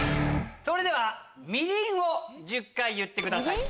それでは「みりん」を１０回言ってください。